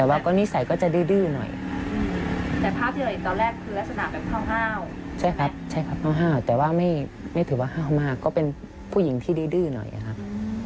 แต่ว่าไม่ถือว่าว่าไห้ขึ้นมากก็เป็นผู้หญิงที่ดื่อหน่อยครับ